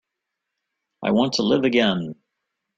I want to live again.